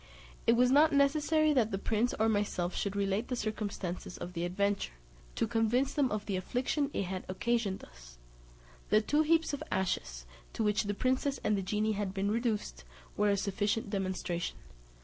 It was not necessary that the prince or myself should relate the circumstances of the adventure, to convince them of the affliction it had occasioned us. The two heaps of ashes, to which the princess and the genie had been reduced, were a sufficient demonstration.